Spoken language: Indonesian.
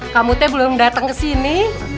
kamu teh belum datang ke sini